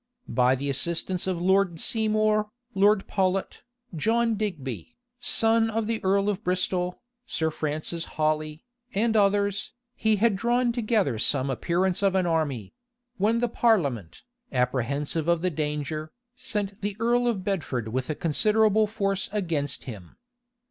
By the assistance of Lord Seymour, Lord Paulet, John Digby, son of the earl of Bristol, Sir Francis Hawley, and others, he had drawn together some appearance of an army; when the parliament, apprehensive of the danger, sent the earl of Bedford with a considerable force against him.